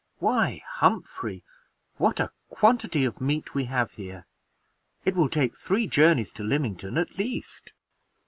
Why, Humphrey, what a quantity of meat we have here! It will take three journeys to Lymington at least."